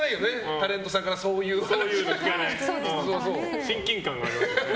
タレントさんから親近感がありますよね。